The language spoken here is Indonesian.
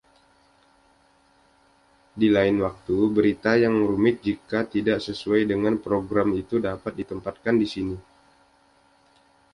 Di lain waktu, berita yang rumit jika tidak sesuai dengan program itu dapat ditempatkan di sini.